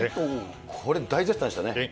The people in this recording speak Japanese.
これ大絶賛でしたね。